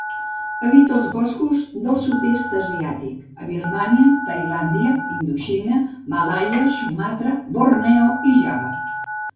Habita els boscos del Sud-est Asiàtic, a Birmània, Tailàndia, Indoxina, Malaia, Sumatra, Borneo i Java.